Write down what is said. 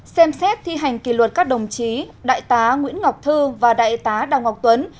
ba xem xét thi hành kỷ luật các đồng chí đại tá nguyễn ngọc thư và đại tá đào ngọc tuấn